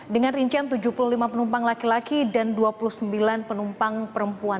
dengan rincian tujuh puluh lima penumpang laki laki dan dua puluh sembilan penumpang perempuan